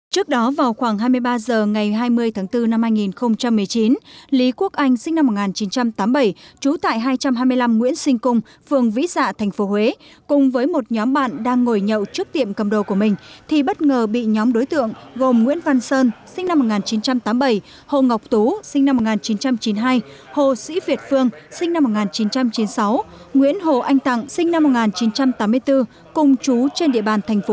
trước đó vào khoảng hai mươi ba h ngày hai mươi tháng bốn năm hai nghìn một mươi chín lý quốc anh sinh năm một nghìn chín trăm tám mươi bảy trú tại hai trăm hai mươi năm nguyễn sinh cung phường vĩ dạ tp huế cùng với một nhóm bạn đang ngồi nhậu trước tiệm cầm đồ của mình thì bất ngờ bị nhóm đối tượng gồm nguyễn văn sơn sinh năm một nghìn chín trăm tám mươi bảy hồ ngọc tú sinh năm một nghìn chín trăm chín mươi hai hồ sĩ việt phương sinh năm một nghìn chín trăm chín mươi sáu nguyễn hồ anh tặng sinh năm một nghìn chín trăm tám mươi bốn cùng trú trên địa bàn tp huế